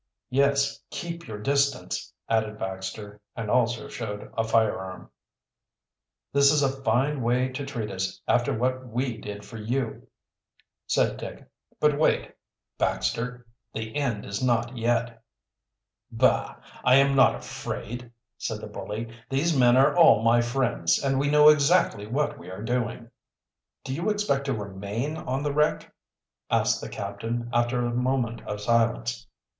"Yes, keep your distance," added Baxter, and also showed a firearm. "This is a fine way to treat us, after what we did for you," said Dick. "But, wait, Baxter, the end is not yet." "Bah! I am not afraid," said the bully. "These men are all my friends, and we know exactly what we are doing." "Do you expect to remain on the wreck?" asked the captain, after a moment of silence.